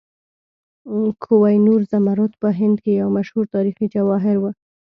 کوه نور زمرد په هند کې یو مشهور تاریخي جواهر و.